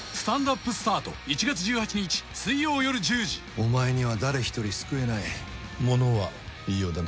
「お前には誰一人救えない」「物は言いようだね」